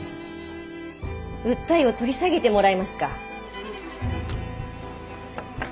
訴えを取り下げてもらえますか？